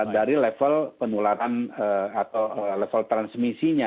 dari level penularan atau level transmisinya